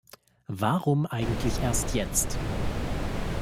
Warum eigentlich erst jetzt?